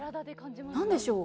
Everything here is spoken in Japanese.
何でしょう。